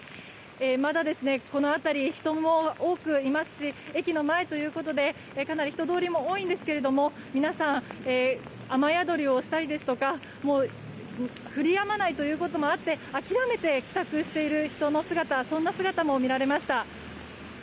まだ、この辺り人も多くいますし駅の前ということでかなり人通りも多いですが皆さん、雨宿りをしたりですとか降りやまないということもあって諦めて帰宅している人の姿も見られました。